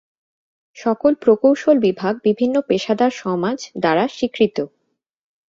সকল প্রকৌশল বিভাগ বিভিন্ন পেশাদার সমাজ দ্বারা স্বীকৃত।